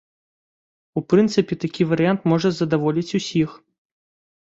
У прынцыпе, такі варыянт можа задаволіць усіх.